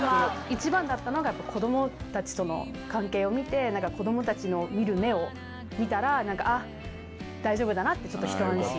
一番だったのが、子どもたちとの関係を見て、子どもたちの見る目を見たら、あっ、大丈夫だなってちょっと一安心。